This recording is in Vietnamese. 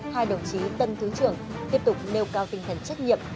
hai đồng chí tân thứ trưởng tiếp tục nêu cao tinh thần trách nhiệm